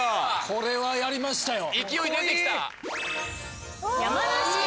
これはやりましたよ。